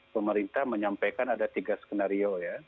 pemerintah menyampaikan ada tiga skenario ya